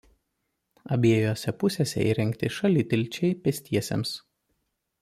Abiejose pusėse įrengti šalitilčiai pėstiesiems.